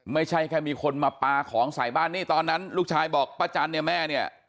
ไม่ใช่แค่มีคนมาปลาของใส่บ้านนี่ตอนนั้นลูกชายบอกป้าจันเนี่ยแม่เนี่ย